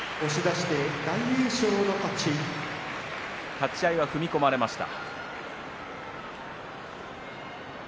立ち合いは踏み込まれました。